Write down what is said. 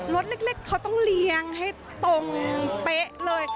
รถเล็กเขาต้องเลี้ยงให้ตรงเป๊ะเลย